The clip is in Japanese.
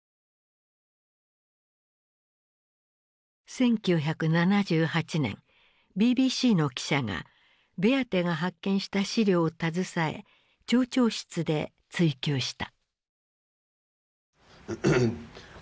１９７８年ＢＢＣの記者がベアテが発見した資料を携え町長室で追及した。